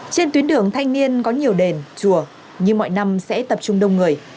trên tuyến đường thanh niên có nhiều đền chùa như mọi năm sẽ tập trung đông người